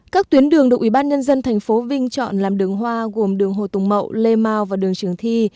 các tuyến đường được ủy ban nhân dân thành phố vinh chọn làm đường hoa gồm đường hồ tùng mậu lê mau và đường trường thi